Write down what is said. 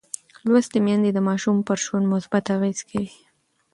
لوستې میندې د ماشوم پر ژوند مثبت اغېز کوي.